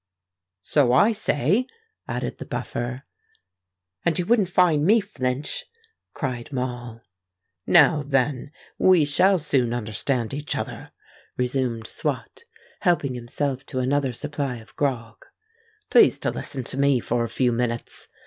"So I say," added the Buffer. "And you wouldn't find me flinch!" cried Moll. "Now, then, we shall soon understand each other," resumed Swot, helping himself to another supply of grog. "Please to listen to me for a few minutes.